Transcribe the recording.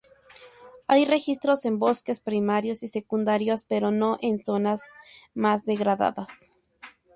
Hay registros en bosques primarios y secundarios, pero no en zonas más degradadas.